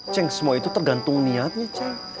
ceng semua itu tergantung niatnya cek